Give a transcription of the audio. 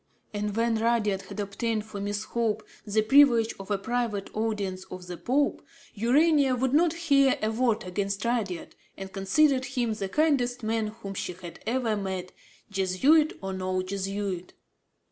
And, when Rudyard had obtained for Miss Hope the privilege of a private audience of the Pope, Urania would not hear a word against Rudyard and considered him the kindest man whom she had ever met, Jesuit or no Jesuit.